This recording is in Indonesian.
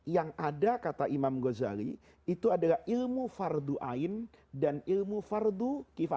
yang ada kata imam ghazali itu adalah ilmu fardu'ain dan ilmu fardu'kifad